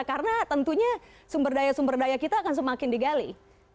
karena tentunya sumber daya sumber daya kita akan semakin digali